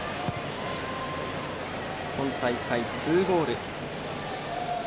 今大会２ゴール。